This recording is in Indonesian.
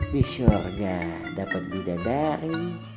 di syurga dapet bidadari